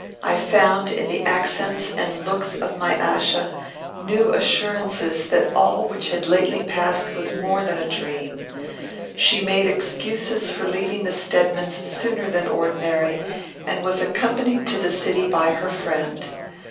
I found in the accents and looks of my Achsa new assurances that all which had lately passed was more than a dream. She made excuses for leaving the Stedmans sooner than ordinary, and was accompanied to the city by her friend.